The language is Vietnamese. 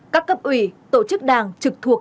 các cấp ủy tổ chức đảng trực thuộc